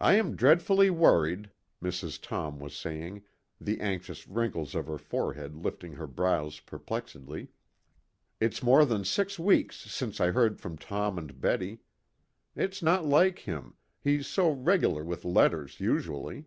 "I am dreadfully worried," Mrs. Tom was saying, the anxious wrinkles of her forehead lifting her brows perplexedly. "It's more than six weeks since I heard from Tom and Betty. It's not like him, he's so regular with letters usually.